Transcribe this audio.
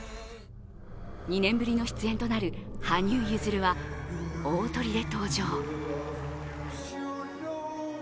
２年ぶりの出演となる羽生結弦は大トリで登場。